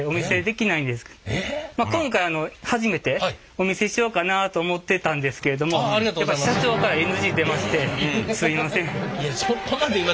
まあ今回あの初めてお見せしようかなと思ってたんですけれどもやっぱり社長からＮＧ出ましてすいません。